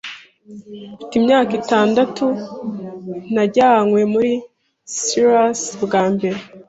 Mfite imyaka itandatu, najyanywe muri sirusi bwa mbere.